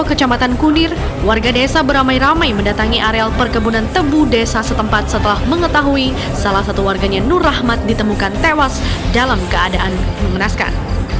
kecamatan kunir warga desa beramai ramai mendatangi areal perkebunan tebu desa setempat setelah mengetahui salah satu warganya nur rahmat ditemukan tewas dalam keadaan mengenaskan